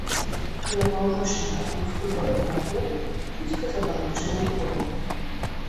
Каля паўночнага і ўсходняга берагоў вузкая забалочаная пойма.